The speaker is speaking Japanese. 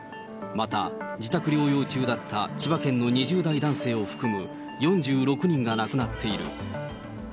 また、自宅療養中だった千葉県の２０代男性を含む４６人が亡くなっている。